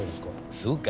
そうか？